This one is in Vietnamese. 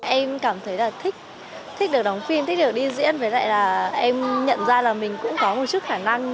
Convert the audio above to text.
em cảm thấy là thích thích được đóng phim thích được đi diễn với lại là em nhận ra là mình cũng có một chút khả năng